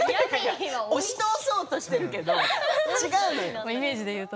押し通そうとしているけど違うのよ。